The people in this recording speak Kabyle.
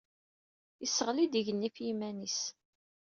Isseɣli-d igenni ɣef yiman-is.